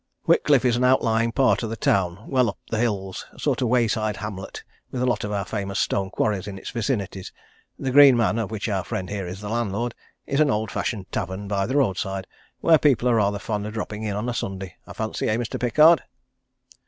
"Whitcliffe is an outlying part of the town, well up the hills a sort of wayside hamlet with a lot of our famous stone quarries in its vicinity. The Green Man, of which our friend here is the landlord, is an old fashioned tavern by the roadside where people are rather fond of dropping in on a Sunday, I fancy, eh, Mr. Pickard?"